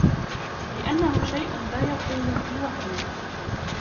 لِأَنَّهُ شَيْءٌ لَا يَقُومُ فِي وَهْمٍ